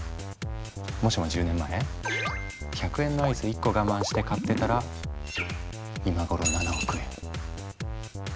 もしも１０年前１００円のアイス１個我慢して買ってたら今頃７億円。